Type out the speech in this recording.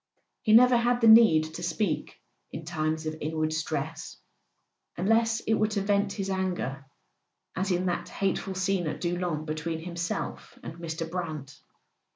He never had the need to speak in times of inward stress, unless it were to vent his anger—as in that hateful scene at Doullens between himself and Mr. Brant.